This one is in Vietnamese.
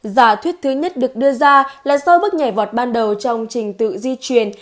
giả thuyết thứ nhất được đưa ra là sau bước nhảy vọt ban đầu trong trình tự di chuyển